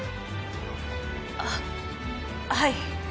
あっはい。